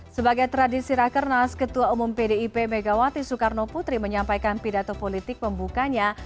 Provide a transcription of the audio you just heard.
sebagai tradisi rakernas ketua umum pdip megawati soekarno putri menyampaikan pidato politik pembukanya